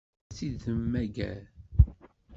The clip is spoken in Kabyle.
Ad tt-id-temmager?